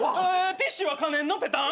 ティッシュは可燃のぺたん。